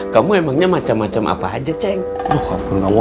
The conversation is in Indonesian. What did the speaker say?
kamu emangnya macem macem apa aja ceng